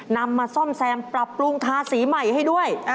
นำมาซ่อมแซมปรับปรุงทาสีใหม่ให้ด้วย